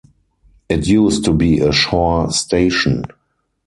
It used to be a shore station.